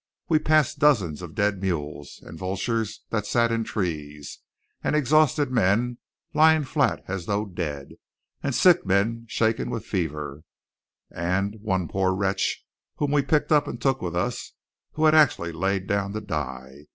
We passed dozens of dead mules, and vultures that sat in trees; and exhausted men lying flat as though dead; and sick men shaken with fever; and one poor wretch, whom we picked up and took with us, who had actually lain down to die.